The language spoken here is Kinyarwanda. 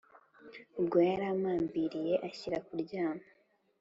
ubwo yarampambiriye anshyira kuryama.